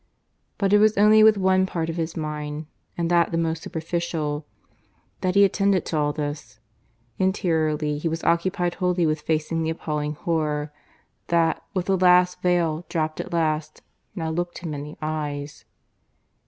But it was only with one part of his mind, and that the most superficial, that he attended to all this. Interiorly he was occupied wholly with facing the appalling horror that, with the last veil dropped at last, now looked him in the eyes.